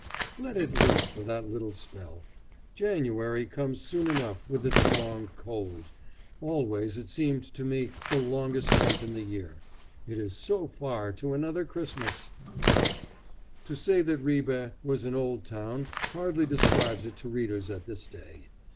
Let it loose for that little spell. January comes soon enough with its long cold. Always it seems to me the longest month in the year. It is so far to another Christmas! [Illustration: Mother.] To say that Ribe was an old town hardly describes it to readers at this day.